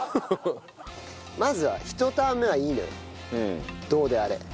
まずは１ターン目はいいのよどうであれ。